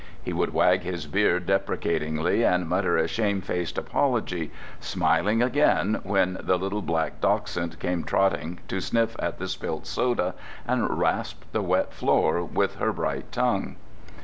He would wag his beard deprecatingly and mutter a shamefaced apology, smiling again when the little black dachshund came trotting to sniff at the spilt soda and rasp the wet floor with her bright tongue.